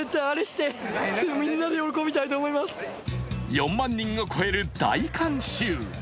４万人を超える大観衆。